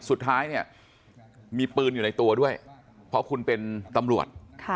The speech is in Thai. สุดท้ายเนี่ยมีปืนอยู่ในตัวด้วยเพราะคุณเป็นตำรวจ